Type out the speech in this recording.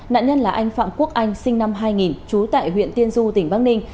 nạn nhân là anh phạm quốc anh sinh năm hai nghìn trú tại huyện tiên du tỉnh bắc ninh